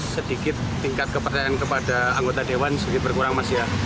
sedikit tingkat kepercayaan kepada anggota dewan sedikit berkurang mas ya